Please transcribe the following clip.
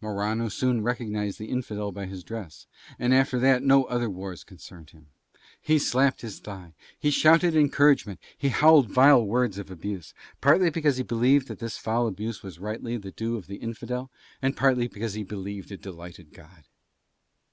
Morano soon recognized the Infidel by his dress, and after that no other wars concerned him. He slapped his thigh, he shouted encouragement, he howled vile words of abuse, partly because he believed that this foul abuse was rightly the due of the Infidel, and partly because he believed it delighted God.